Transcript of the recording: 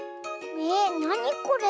えなにこれ？